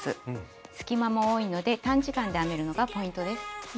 隙間も多いので短時間で編めるのがポイントです。